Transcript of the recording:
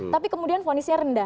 tapi kemudian vonisnya rendah